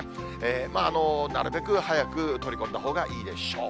まあ、なるべく早く取り込んだほうがいいでしょう。